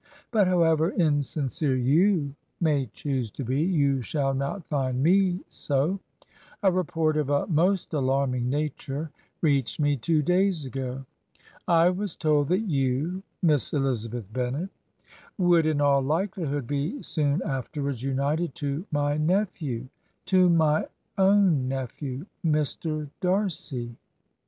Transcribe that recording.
But however insincere you may choose to be, you shall not find me so. ... A report of a most alarming nature reached me two days ago. I 45 Digitized by VjOOQIC HEROINES OF FICTION was told ... that you, Miss Elizabeth Bennet, woiild^ in all likelihood, be soon afterwards united to my nephew, to my own nephew, Mr. Darcy.